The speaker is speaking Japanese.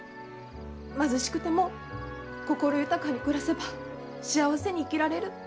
貧しくても心豊かに暮らせば幸せに生きられる。